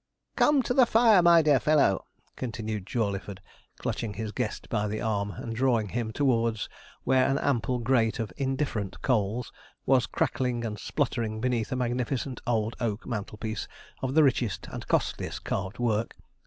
Come to the fire, my dear fellow,' continued Jawleyford, clutching his guest by the arm, and drawing him towards where an ample grate of indifferent coals was crackling and spluttering beneath a magnificent old oak mantelpiece of the richest and costliest carved work.